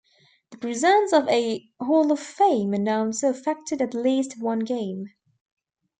The presence of a Hall of Fame announcer affected at least one game.